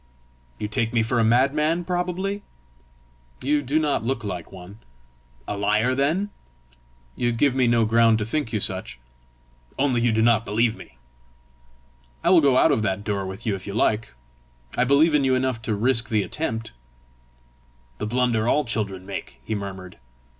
"You take me for a madman, probably?" "You do not look like one." "A liar then?" "You give me no ground to think you such." "Only you do not believe me?" "I will go out of that door with you if you like: I believe in you enough to risk the attempt." "The blunder all my children make!" he murmured.